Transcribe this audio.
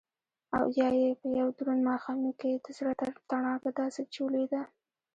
او يا يې په يو دروند ماښامي کښې دزړه تڼاکه داسې چولې ده